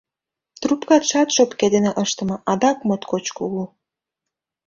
Трубкатшат шопке дене ыштыме, адак моткоч кугу.